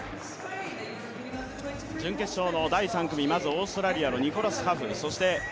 準決勝の第３組、まずオーストリアのニコラス・ハフ。